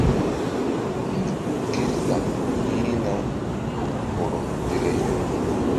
Nzuk ké laɓ yi̧hna-u ul hɔrɔ ndele.